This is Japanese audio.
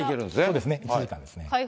そうですね、１時間で行けます。